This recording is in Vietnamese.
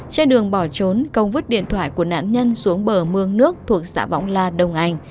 trên đường bỏ trốn công vứt điện thoại của nạn nhân xuống bờ mương nước thuộc xã võng la đông anh